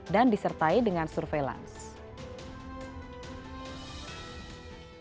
dan disertai dengan surveillance